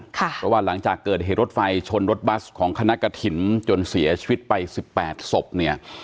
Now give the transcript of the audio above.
เพราะว่าหลังจากเกิดเหตุรถไฟชนรถบัสของคณะกระถิ่นจนเสียชีวิตไปสิบแปดศพเนี่ย